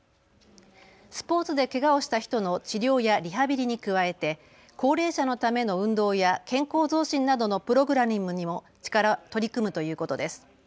スポーツでけがをした人の治療やリハビリに加えて高齢者のための運動や健康増進などのプログラムにも取り組むということです。